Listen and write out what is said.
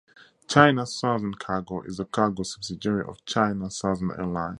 China Southern Cargo is the cargo subsidiary of China Southern Airlines.